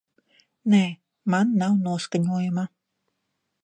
Nē, man nav noskaņojuma.